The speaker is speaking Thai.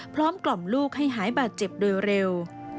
กล่อมลูกให้หายบาดเจ็บโดยเร็ว